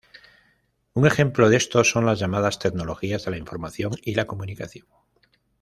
Un ejemplo de esto son las llamadas tecnologías de la información y la comunicación.